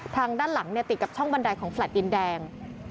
ทางด้านหลังติดกับช่องบันไดของแฟลต์ดินแดง